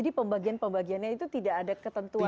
jadi pembagian pembagiannya itu tidak ada ketentuan yang